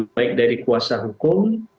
baik dari kuasa hukum